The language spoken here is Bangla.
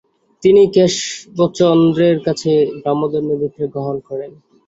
তিনি কেশবচন্দ্রের কাছে ব্রাহ্মধর্মে দীক্ষা গ্রহণ করেন।